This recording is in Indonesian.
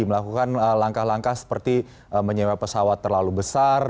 atau terpaksa untuk melakukan langkah langkah seperti menyebabkan pesawat terlalu besar